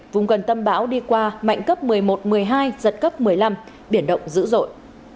vùng gần tâm bão đi qua mạnh cấp một mươi một một mươi hai giật cấp một mươi năm biển động dữ dội